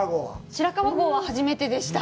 白川郷は初めてでした。